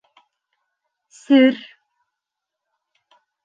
СЕР